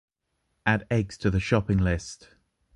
Add eggs to the shopping list!